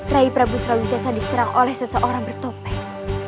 rai prabu srawisesa diserang oleh seseorang bertopeng